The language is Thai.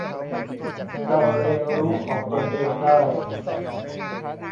การเรียนรู้ของตนเองได้